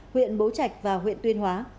huyện bố trạch và huyện tuyên hóa